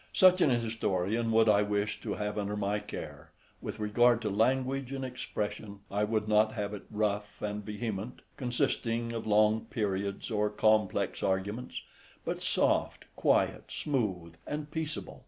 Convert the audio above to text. Such an historian would I wish to have under my care: with regard to language and expression, I would not have it rough and vehement, consisting of long periods, or complex arguments; but soft, quiet, smooth, and peaceable.